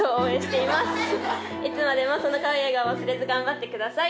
いつまでもその可愛い笑顔を忘れずがんばってください」。